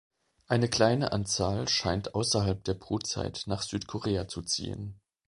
Eine kleine Anzahl scheint außerhalb der Brutzeit nach Südkorea zu ziehen.